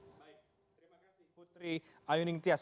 baik terima kasih putri ayuning tias